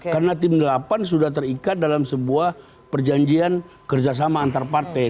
karena tim delapan sudah terikat dalam sebuah perjanjian kerjasama antar partai